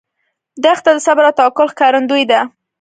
دښته د صبر او توکل ښکارندوی ده.